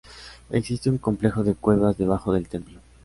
Existe un complejo de cuevas debajo del templo.